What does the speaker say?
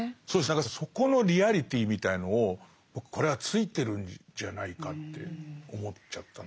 何かそこのリアリティーみたいのを僕これはついてるんじゃないかって思っちゃったな。